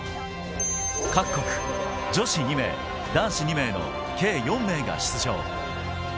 各国、女子２名、男子２名の計４名が出場。